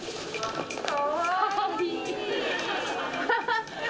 かわいい！